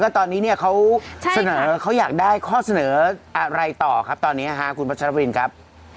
ตอนนี้เนี่ยเขาเสนอเขาอยากได้ข้อเสนออะไรต่อครับตอนนี้คุณพัชรวินครับ